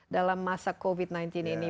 dalam masa covid sembilan belas ini